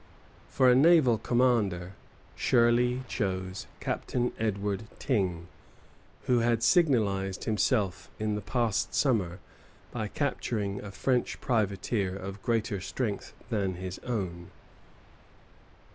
For a naval commander, Shirley chose Captain Edward Tyng, who had signalized himself in the past summer by capturing a French privateer of greater strength than his own.